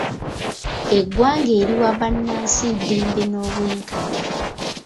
Eggwanga eriwa bannansi eddembe n'obwenkanya.